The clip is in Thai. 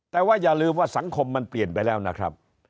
แต่ว่าอย่าลืมว่าสังคมมันเปลี่ยนไปแล้วนะครับ